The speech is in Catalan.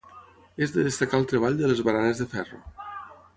És de destacar el treball de les baranes de ferro.